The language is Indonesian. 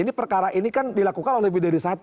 ini perkara ini kan dilakukan oleh bidi satu